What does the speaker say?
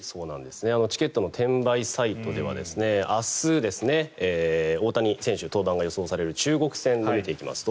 チケットの転売サイトでは明日、大谷選手の登板が予想される中国戦を見ていきますと